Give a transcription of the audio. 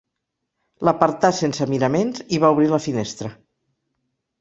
L'apartà sense miraments i va obrir la finestra.